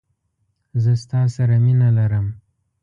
زه ستا سره مینه لرم